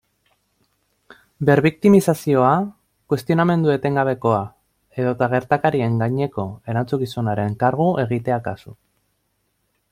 Berbiktimizazioa, kuestionamendu etengabekoa edota gertakariaren gaineko erantzukizunaren kargu egitea kasu.